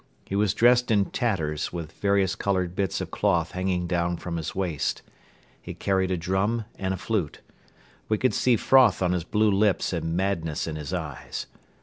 He was dressed in tatters with various colored bits of cloth hanging down from his waist. He carried a drum and a flute. We could see froth on his blue lips and madness in his eyes.